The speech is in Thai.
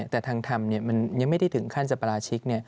แต่ทางธรรมมันยังไม่ได้ถึงขั้นจะปราชิก